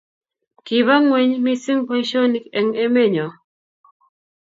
Kiba ng'weny mising boisionik eng' emenyo